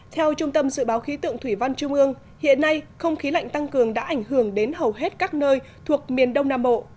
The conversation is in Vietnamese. theo trung tâm dự báo khí tượng thủy văn trung ương hiện nay không khí lạnh tăng cường đã ảnh hưởng đến hầu hết các nơi thuộc miền đông nam bộ